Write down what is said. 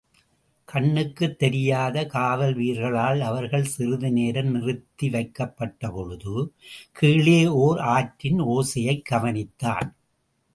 கண்ணுக்குத் தெரியாத காவல் வீரர்களால் அவர்கள் சிறிதுநேரம் நிறுத்தி வைக்கப்பட்டபொழுது, கீழே ஓர் ஆற்றின் ஓசையைக் கவனித்தான்.